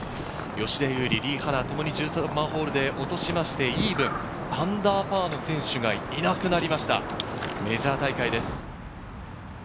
吉田優利、リ・ハナともに１３番ホールで落としましてイーブン、アンダーパーの選手がいなくなりました、メジャー大会です。